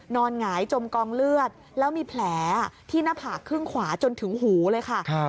หงายจมกองเลือดแล้วมีแผลที่หน้าผากครึ่งขวาจนถึงหูเลยค่ะ